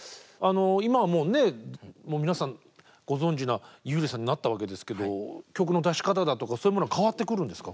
今はもうね皆さんご存じな優里さんになったわけですけど曲の出し方だとかそういうものは変わってくるんですか？